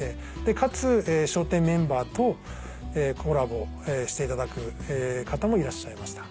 かつ笑点メンバーとコラボしていただく方もいらっしゃいました。